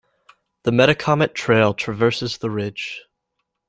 The Metacomet Trail traverses the ridge.